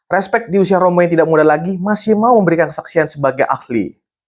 respect di usia romo yang tidak muda lagi masih mau memberikan kesaksian sebagai ahli